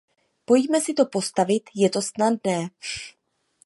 Pojďme si to postavit, je to snadné.